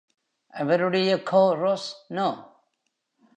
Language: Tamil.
அவருடைய "Chôros No.